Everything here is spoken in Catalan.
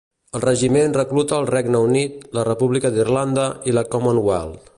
El Regiment recluta el Regne Unit, la República d'Irlanda i la Commonwealth.